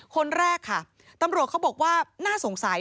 คนแรกค่ะตำรวจเขาบอกว่าน่าสงสัย